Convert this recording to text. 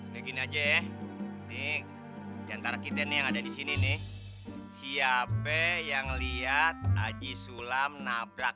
begini aja ini diantara kita nih yang ada di sini nih siapa yang lihat aji sulam nabrak